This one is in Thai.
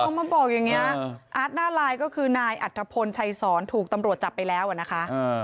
พอมาบอกอย่างนี้อาร์ตหน้าลายก็คือนายอัธพลชัยสอนถูกตำรวจจับไปแล้วอะนะคะ